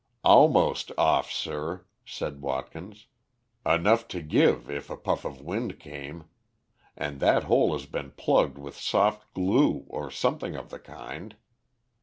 "Almost off, sir," said Watkins. "Enough to give if a puff of wind came. And that hole has been plugged with soft glue or something of the kind.